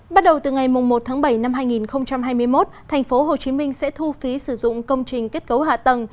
bắt đầu từ ngày một tháng bảy năm hai nghìn hai mươi một tp hcm sẽ thu phí sử dụng công trình kết cấu hạ tầng